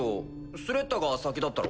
スレッタが先だったろ？